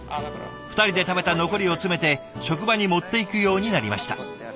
２人で食べた残りを詰めて職場に持っていくようになりました。